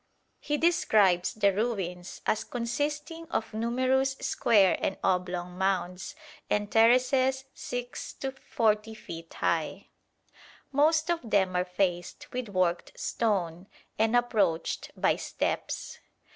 ] He describes the ruins as consisting "of numerous square and oblong mounds and terraces 6 to 40 feet high." Most of them are faced with worked stone, and approached by steps.